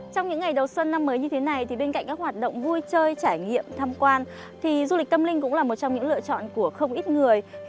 trong những ngày đầu xuân năm mới như thế này